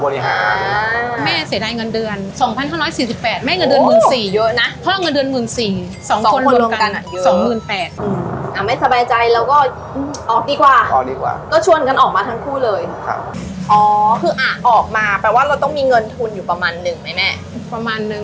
แล้วค่าใช้จ่ายอย่างต่างมันพอไหมคะแม่